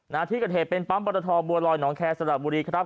ณที่เกิดเหตุเป็นปั๊มรทบัวลอยหนองแคร์สระบุรีครับ